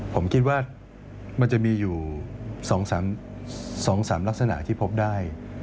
ผมคิดว่ามันจะมีอยู่๒๓ลักษณะที่พบได้